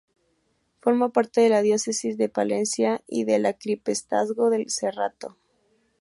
Forma parte de la Diócesis de Palencia y del Arciprestazgo del Cerrato.